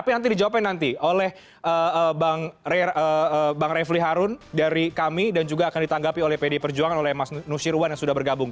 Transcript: tapi nanti dijawabkan nanti oleh bang refli harun dari kami dan juga akan ditanggapi oleh pd perjuangan oleh mas nusyirwan yang sudah bergabung